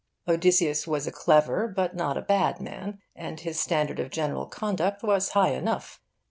Odysseus was a clever, but not a bad man, and his standard of general conduct was high enough.